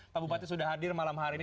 pak bupati sudah hadir malam hari ini